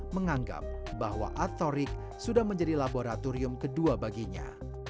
menganggap bahwa atorik sudah menjadi laboratorium kedua baginya